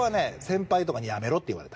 先輩とかに「やめろ」って言われた。